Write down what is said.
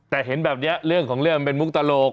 แต่เห็นแบบนี้เรื่องของเรื่องมันเป็นมุกตลก